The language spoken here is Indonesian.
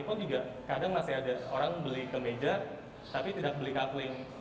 pun juga kadang masih ada orang beli kemeja tapi tidak beli kafling